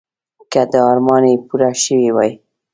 که دا ارمان یې پوره شوی وای.